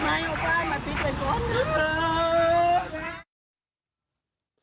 ออกมาออกไปมาพิกไปก่อน